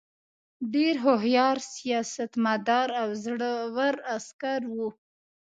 ډېر هوښیار سیاستمدار او زړه ور عسکر وو.